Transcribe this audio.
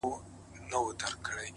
اخلاص د نیت پاکوالی څرګندوي.!